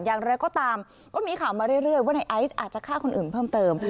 อย่างไรก็ตามก็มีข่าวมาเรื่อยว่าในไอซ์อาจจะฆ่าคนอื่นเพิ่มเติม